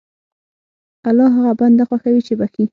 الله هغه بنده خوښوي چې بخښي.